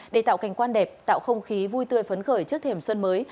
để tạo cảnh quan đẹp tạo không khí vui tươi phấn khởi trước thềm xuân mới